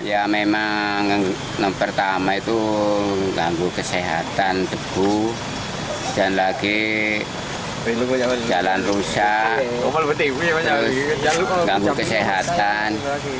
ya memang pertama itu ganggu kesehatan debu dan lagi jalan rusak ganggu kesehatan